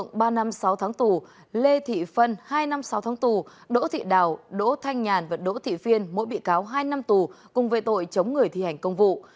ba năm sáu tháng tù lê thị phân hai năm sáu tháng tù đỗ thị đào đỗ thanh nhàn và đỗ thị phiên mỗi bị cáo hai năm tù cùng về tội chống người thi hành công vụ